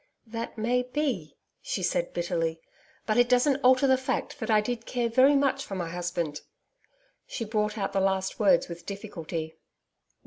'That may be,' she said bitterly. 'But it doesn't alter the fact that I did care very much for my husband.' She brought out the last words with difficulty.